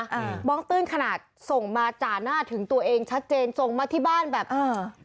อ่ามองตื้นขนาดส่งมาจ่าหน้าถึงตัวเองชัดเจนส่งมาที่บ้านแบบเออ